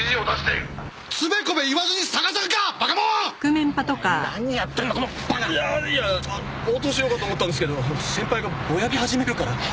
いやいや応答しようかと思ったんですけど先輩がぼやき始めるから。